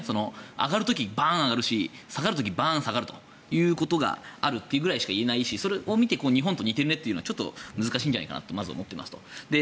上がる時バーン上がるし下がる時バーン下がるというくらいしか言えないし、それを見て日本と似てるねというのは難しいんじゃないかなとまず思っていますと。